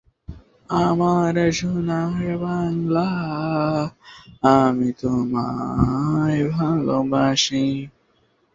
উত্তর-পূর্ব ফ্লোরিডার আটলান্টিক উপকূলে শহরটি অবস্থিত।